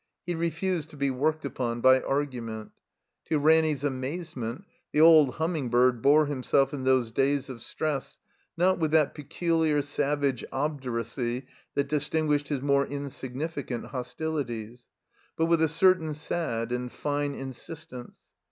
He refused to be worked upon by argument. To Ranny's amaze ment, the old Humming bird bore himself in those days of stress, not with that peculiar savage obdu racy that distinguished his more insignificant hos tilities, but with a certain sad and fine insistence.